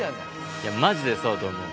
いやマジでそうだと思う。